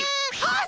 あ！